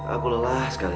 aku lelah sekali